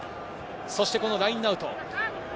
そして、このラインアウト。